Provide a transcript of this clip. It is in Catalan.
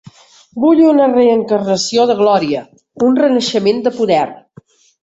Vull una reencarnació de glòria, un renaixement de poder.